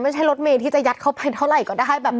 ไม่ใช่รถเมย์ที่จะยัดเข้าไปเท่าไหร่ก็ได้แบบ